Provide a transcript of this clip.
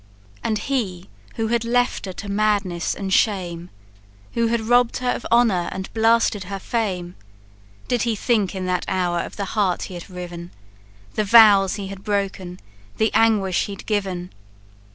"And he who had left her to madness and shame, Who had robb'd her of honour, and blasted her fame Did he think in that hour of the heart he had riven, The vows he had broken, the anguish he'd given?